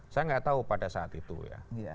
saya nggak tahu pada saat itu ya